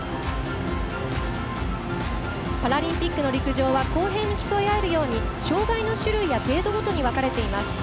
パラリンピックの陸上は公平に競い合えるように障がいの種類や程度ごとに分かれています。